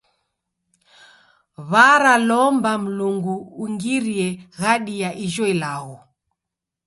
W'aralomba Mlungu ungirie ghadi ya ijo ilagho.